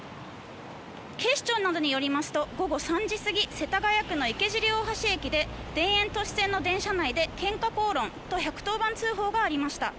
警視庁などによりますと午後３時過ぎ世田谷区の池尻大橋駅で田園都市線の電車内でけんか、口論と１１０番通報がありました。